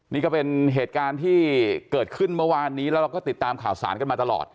นี่ก็เป็นเหตุการณ์ที่เกิดขึ้นเมื่อวานนี้แล้วเราก็ติดตามข่าวสารกันมาตลอด